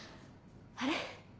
あれ？